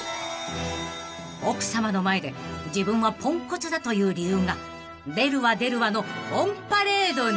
［奥さまの前で自分はポンコツだという理由が出るわ出るわのオンパレードに］